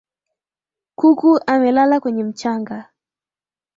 Kuku amelala kwenye mchanga.